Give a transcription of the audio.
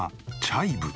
「チャイブ？」